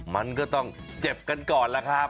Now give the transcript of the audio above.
มันก็ต้องเจ็บกันก่อนล่ะครับ